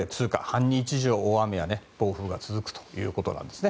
半日以上大雨や暴風が続くということです。